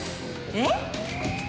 えっ！？